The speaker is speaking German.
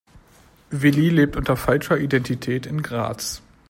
Willi lebt unter falscher Identität in Graz.